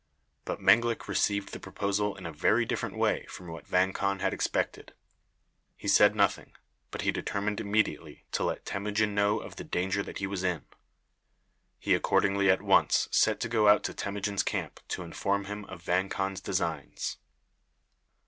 But Menglik received the proposal in a very different way from what Vang Khan had expected. He said nothing, but he determined immediately to let Temujin know of the danger that he was in. He accordingly at once set out to go to Temujin's camp to inform him of Vang Khan's designs.